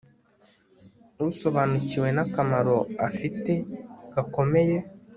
usobanukiwe nakamaro afite gakomeye